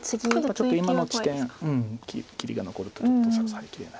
ちょっと今の地点切りが残るとちょっと支えきれないので。